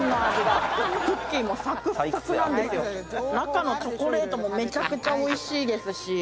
中のチョコレートもめちゃくちゃおいしいですし。